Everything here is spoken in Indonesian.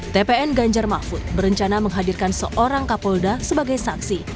tpn ganjar mahfud berencana menghadirkan seorang kapolda sebagai saksi